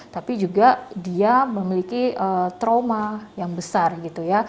tapi juga dia memiliki trauma yang besar gitu ya